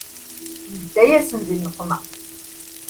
Nedda-yasen di nneqma.